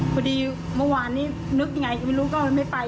พอดีเมื่อวานนี้นึกยังไงก็ไม่รู้ก็ไม่ไป